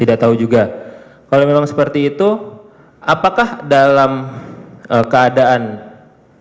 tidak tahu juga kalau memang seperti itu apakah dalam keadaan anda apakah anda mengambil itu